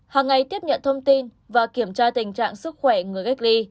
hàng ngày tiếp nhận thông tin và kiểm tra tình trạng sức khỏe người cách ly